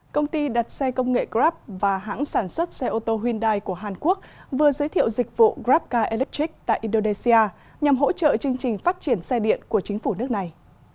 công ty đặt xe công nghệ grab và hãng sản xuất xe ô tô hyundai của hàn quốc vừa giới thiệu dịch vụ grabcarelectric tại indonesia nhằm hỗ trợ chương trình phát triển xe điện của chính phủ nước này